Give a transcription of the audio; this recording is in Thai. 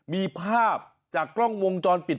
มีภาพจากกล้องวงจรปิด